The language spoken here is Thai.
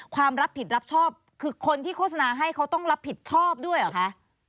รับผิดรับชอบคือคนที่โฆษณาให้เขาต้องรับผิดชอบด้วยเหรอคะ